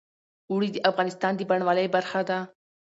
اوړي د افغانستان د بڼوالۍ برخه ده.